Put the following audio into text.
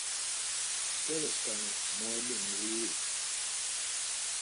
Bere skani muellimi iyu-i?